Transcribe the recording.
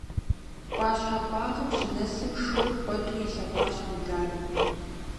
Ӏуащхьэ къуагъым щынэсым шур къуэту илъэгъуащ Мударым.